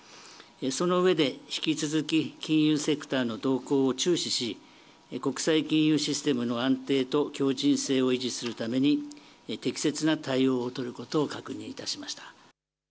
その上で、引き続き金融セクターの動向を注視し、国際金融システムの安定と強じん性を維持するために、適切な対応